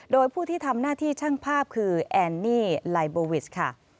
โดยผู้ที่ทำหน้าที่ช่างภาพคือแอนนี่ไลโบวิสค่ะ